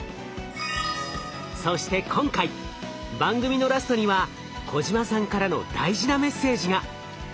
そして今回番組のラストには小島さんからの大事なメッセージが。